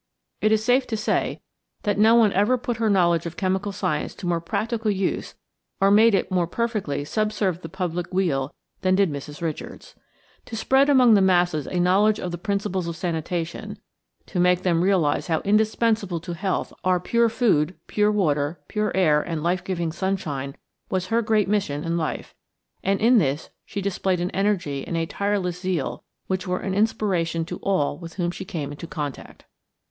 It is safe to say that no one ever put her knowledge of chemical science to more practical use or made it more perfectly subserve the public weal than did Mrs. Richards. To spread among the masses a knowledge of the principles of sanitation, to make them realize how indispensable to health are pure food, pure water, pure air and life giving sunshine was her great mission in life, and in this she displayed an energy and a tireless zeal which were an inspiration to all with whom she came into contact.